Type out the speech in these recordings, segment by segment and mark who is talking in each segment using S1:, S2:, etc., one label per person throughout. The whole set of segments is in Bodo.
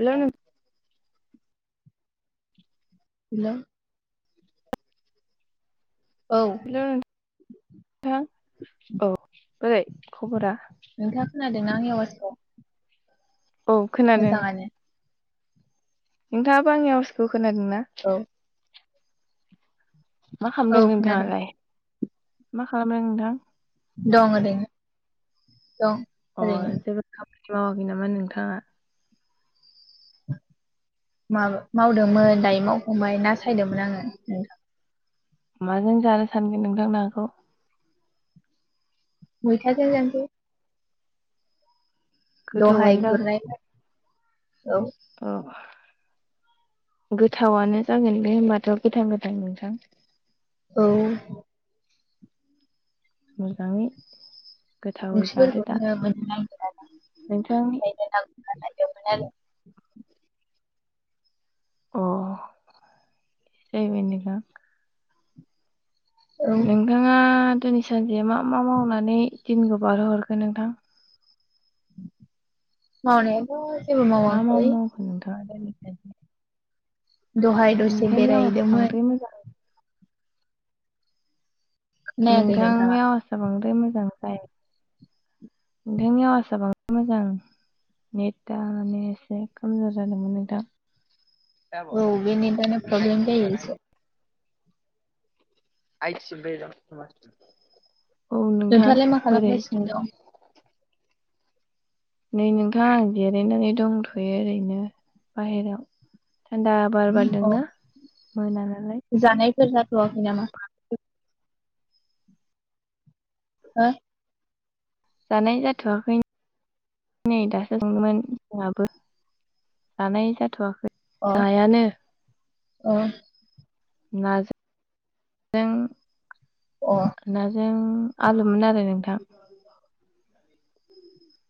S1: हेल' नों
S2: हेल औ
S1: हेल' नों थां औ बोरै खबरा
S2: नोंथाङा खोनादोंना आंनि आवाजखौ
S1: औ खोनादों
S2: मोजाङानो
S1: नोंथाङाबो आंनि आवासखौ खोनादोंना?
S2: औ
S1: मा
S2: औ
S1: खालामदों
S2: खोनादों
S1: नोंथाङालाय मा खालामदों नोंथां?
S2: दं ओरैनो दं
S1: अह
S2: ओरैनो
S1: जेबो खामानि मावाखै नामा नोंथाङा? [unintelligible]
S2: माबा मावदोंमोन दायो मावफांबाय नासायदोंमोन आङो नोंथां
S1: माजों जानो सानगोन नोंथां नाखौ?
S2: मैथाजों जानोसै दहाय
S1: गोथावआनो
S2: गुरनाय औ
S1: औ गोथावानो जागोन बेे होनोमबाथ' गोथां गोथां नोंथां
S2: औ
S1: मोजाङै गोथावै जादो दा
S2: ओंख्रिफोरखौनो मोननो नागिरा आरो
S1: नोंथांनि
S2: बेनिखायनो नांगुरना लायदोंमोन आरो
S1: अह सिजायबायनोखा [unintelligible]
S2: औ
S1: नोंथाङा दिनै सानसेया मा मा मावनानै दिनखौ बारहोहरखो नोंथां
S2: मावनायाथ' जेबो
S1: मा मा
S2: मावाखै
S1: मावखो नोंथाङा [unintelligible]
S2: दहाय दसे
S1: नोंथांनि आवाजआ
S2: बेरायहैदोंमोन
S1: बांद्राय मोजां
S2: खोनायाखै नोंथाङा
S1: नोंथांनि आवाजआ बांद्राय मोजां जायाखै नोंथांनि आवाजआ बांद्राय मोजां नेटा माने एसे खमजर जादोंमोन नोंथां
S2: औ बे नेटानो प्रब्लेम जायो एसे
S1: आइस बे द सम [unintelligible] औ नोंथां
S2: नोंथाङालाय मा
S1: बोरै?
S2: खालामगासिनो दं
S1: नै नोंथां आं जिरायनानै दंथ'यो ओरैनो बाहेराव थान्दा बार
S2: अ
S1: बारदोंना मोना नालाय?
S2: जाथ'खैनामा? हो
S1: जानाय जाथ'वाखै नै दासो सोंदोंमोन जोंहाबो जानाय जाथ'वाखै
S2: अ
S1: नायानो
S2: ओ
S1: ना जों [unintelligible]
S2: अ
S1: नाजों आलुमोन आरो नोंथां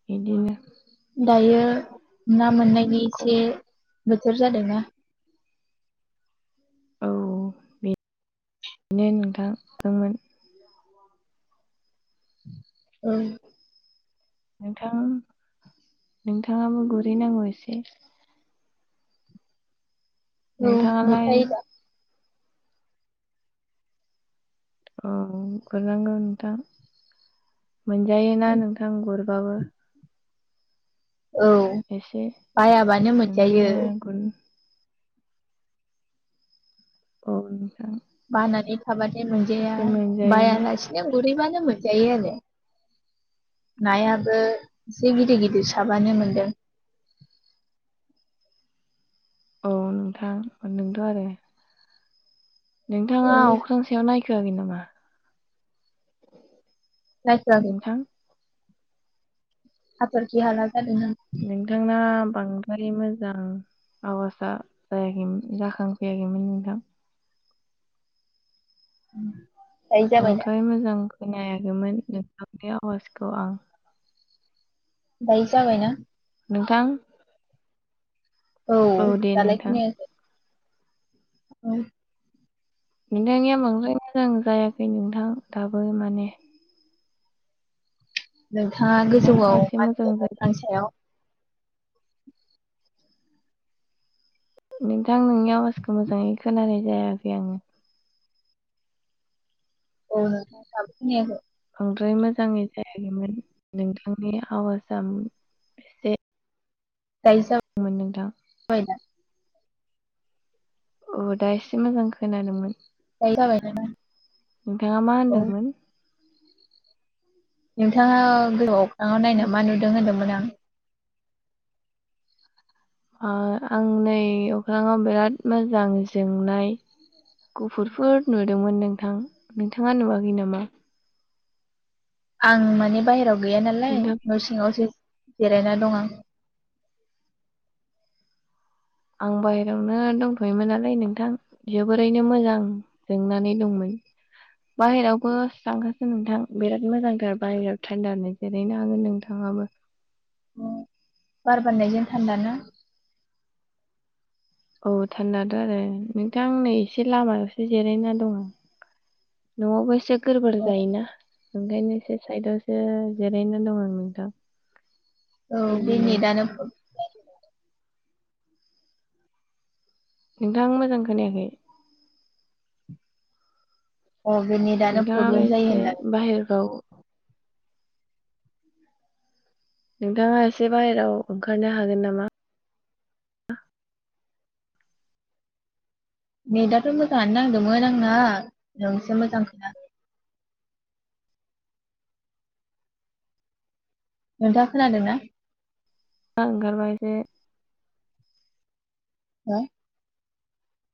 S1: बिदिनो
S2: दायो ना मोननायनि इसे
S1: खबर
S2: बोथोर जादोंना?
S1: औ बेनो नोंथांदोंमोन
S2: औ
S1: नोंथां नोंथाङाबो गुरहै नांगौ एसे
S2: औ
S1: नोंथाङालाय
S2: गुरखायो दा?
S1: औ गुरनांगौ नोंथा मोनजायोना नोंथां गुरबाबो
S2: औ
S1: एसे
S2: बायाबानो मोनजायो
S1: ओंखायनो गुर औ नोंथां
S2: बानानै थाबाथाय मोनजाया
S1: एसे मोनजायोना
S2: बायालासिनो गुरहैबानो मोनजायो आरो नायाबो एसे गिदिर गिदिर साबानो मोनदों
S1: [unintelligible] औ नोंथां नोंथ' आरो नोंथाङा
S2: औ
S1: अख्रां सायाव नायखोआाखै नामा
S2: नायखोयाखै
S1: नोंथां
S2: हाथरखि हाला जादों नामा
S1: नोंथांना बां मोने मोजां आवाजा जायाखैमोन जाखांफैयाखैमोन नोंथां।
S2: उम
S1: बांद्राय मोजांखौननायाखैमोन नोंथांनि आवाजखौ आं
S2: बाय जाबायना?
S1: नोंथां
S2: औ
S1: दे
S2: दालाय
S1: नोंथां
S2: खोनायाखै? औ
S1: नोंथांनिया बांद्राय मोजां जायाखै नोंथां दाबो माने
S2: नोंथाङा
S1: नोंथाङा
S2: गोजौआव
S1: एसे
S2: मा
S1: मोजां
S2: होनदों
S1: जादों
S2: दफां सिङाव
S1: नोंथां नोंनि आवाजखौ मोजाङै खोनानाय जायाखै आङो।
S2: औ नोंथां दाबो खोनायाखै?
S1: बांद्राय मोजाङै जायाखैमोन नोंथांनि आवाजआ एसे
S2: जायसम
S1: मोन नोंथां
S2: [unintelligible]
S1: अ दा एसे मोजां खोनादोंमोन।
S2: दायो जाबाय [unintelligible]
S1: नोंथाङा मा होनदोंमोन?
S2: नोंथाङा गोजो अख्राङाव नायनो मा नुदों होन्दोंमोन आं
S1: अ आं नै अख्राङाव बिराद मोजां जोंनाय गुफुरफोर नुदोंमोन नोंथां नोंथाङा नुवाखै नामा?
S2: आं माने बायहेरायाव गैया नालाय
S1: नोंथां
S2: न' सिङावसो जिरायना दं आं।
S1: आं बायेरायावनो दंथ'योमोन नालाय नोंथां जोबोरैनो मोजां जोंनानै दंमोन। [inaudible] बाहेरावबो थांखासो नोंथां बिराद मोजांथार बाहेरायाव थान्दा होन जिरायनो हागोन नोंथाङा। [unintelligible]
S2: बार बारनायजों थान्दाना?
S1: औ थान्दाथ' आरो नोंथां नै एसे लामायावसो जिरायना दङ। न'आवबो एसेक गोरबार जायोना ओंखायनो ए साइदआवसो जिरायनानै दं आं नोंथां।
S2: औ बे
S1: बिदिनो
S2: नेनो [unintelligible]
S1: नोंथां मोजां खोनायाखै?
S2: अ बे नेटआनो
S1: नोंथाङाबो
S2: प्रब्लेम जायो
S1: एसे
S2: होनदां
S1: बाहेरफ्राव नोंथाङा एसे बायेराव ओंखारनो हागोन नामा?
S2: नेटाथ' मोजाङानो नांदोंमोन आंना नोंसो मोजां खोना नोंथाङा खोनादों ना?
S1: थाङा ओंखारबा एसेबां
S2: हो?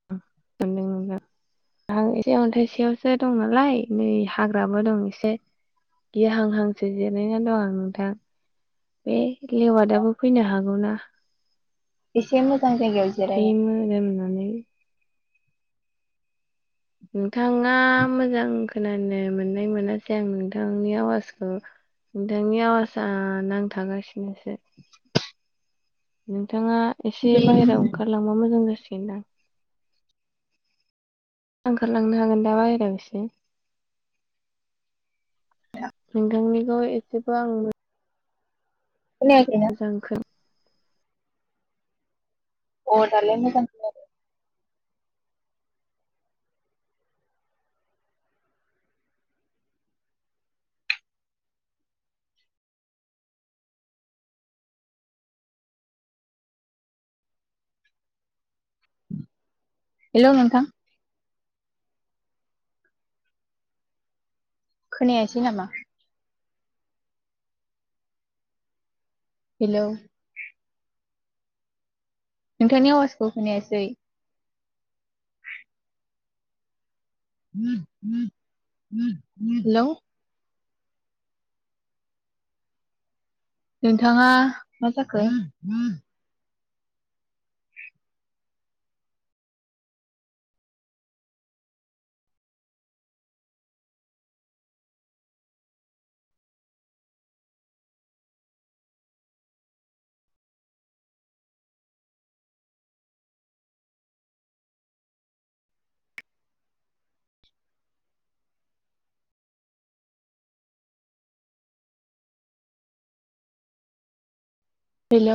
S1: [unintelligible] आं एसे अन्थाइसेयावसो दं नालाय नै हाग्राबो दं एसे गि हां हांसो जिनायनानै दं आं नोंथां। बे लेवादाबो फैनो हागौ ना?
S2: एसे मोजां जायगायाव जिरायो।
S1: [unintelligible] नोंथाङा मोजां खोनानो मोननाय मोनासै आं नोंथांनि आवाजखो नोंथांनि आवाजा नांथागासिनोसो। नोंथाङा एसे
S2: बे
S1: बायेरायाव ओंखारलांबा मोजां जासिगोनदां। ओंखारलांनो हागोन दा बायेराव इसे? नोंथांनिखौ एसेबो आं
S2: खोनायाखैना
S1: मोजां
S2: अ दालाय मोजां खोनाबाय। हेल' नोंथां। खोनायासै नामा? हेल'। नोंथांनि आवाजखौ होनायासै। हेल'। नोंथांङा मा जाखो? हेल'।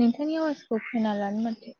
S2: नोंथांनि आवाजखौ खोना लानो माथो।